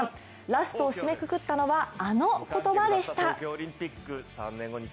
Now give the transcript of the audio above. ラストを締めくくったのはあの言葉でした！